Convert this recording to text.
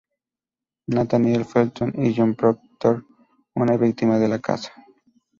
Nathaniel Felton, y John Proctor, una víctima de la caza.